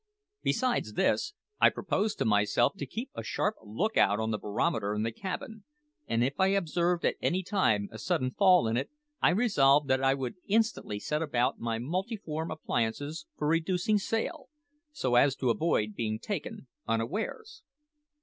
Besides this, I proposed to myself to keep a sharp lookout on the barometer in the cabin; and if I observed at any time a sudden fall in it, I resolved that I would instantly set about my multiform appliances for reducing sail, so as to avoid being taken unawares.